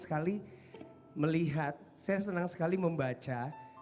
saya senang sekali membaca